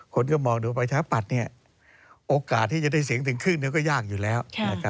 คนก็มองดูประชาปัตย์โอกาสที่จะได้เสียงถึงครึ่งก็ยากอยู่แล้ว